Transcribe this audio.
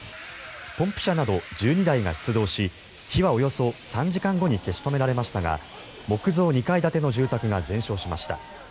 ポンプ車など１２台が出動し火はおよそ３時間後に消し止められましたが木造２階建ての住宅が全焼しました。